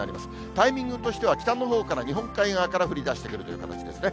タイミングとしては北のほうから日本海側から降りだしてくるという形ですね。